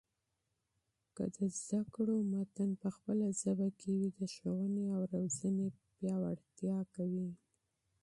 علمي مضامین په خپله ژبه کې، د ښوونې او روزني پیاوړتیا قوي.